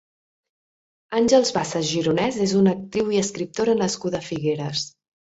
Àngels Bassas Gironès és una actriu i escriptora nascuda a Figueres.